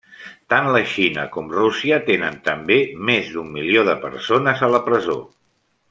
Tant la Xina com Rússia tenen també més d'un milió de persones a la presó.